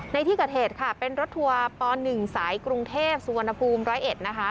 ในที่เกิดเหตุค่ะเป็นรถทัวร์ป๑สายกรุงเทพสุวรรณภูมิ๑๐๑นะคะ